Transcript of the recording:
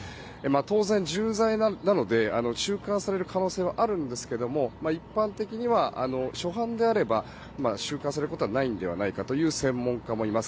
当然、重罪なので収監される可能性はあるんですが一般的には、初犯であれば収監されることはないのではという専門家もいます。